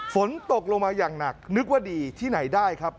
ฝนตกลงมาอย่างหนักนึกว่าดีที่ไหนได้ครับ